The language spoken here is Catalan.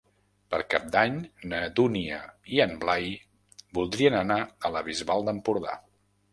Per Cap d'Any na Dúnia i en Blai voldrien anar a la Bisbal d'Empordà.